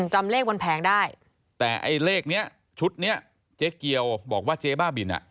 จำเลขบนแผงได้แต่ไอ้เลขเนี้ยชุดเนี้ยเจ๊เกียวบอกว่าเจ๊บ้าบินอ่ะ